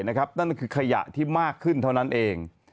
นั่นก็คือขยะที่มากขึ้นเท่านั้นเอง